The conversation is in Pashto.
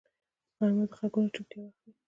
غرمه د غږونو چوپتیا وخت وي